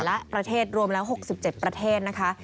และประเทศรวมแล้ว๖๗ประเทศนะคะ